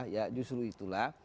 ya justru itulah